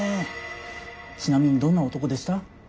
ちなみにどんな男でした？